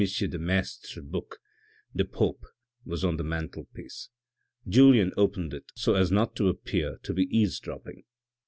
de Maistre's book The Pope was on the mantelpiece. Julien opened it so as not to appear to be eavesdropping.